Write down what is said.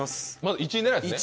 １位狙いですね。